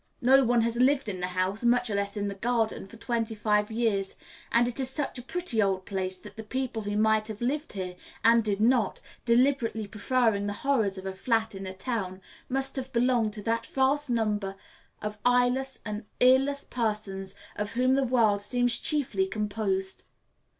No one has lived in the house, much less in the garden, for twenty five years, and it is such a pretty old place that the people who might have lived here and did not, deliberately preferring the horrors of a flat in a town, must have belonged to that vast number of eyeless and earless persons of whom the world seems chiefly composed.